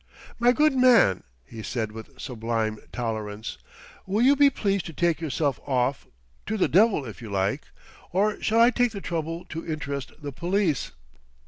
"My good man," he said with sublime tolerance, "will you be pleased to take yourself off to the devil if you like? Or shall I take the trouble to interest the police?"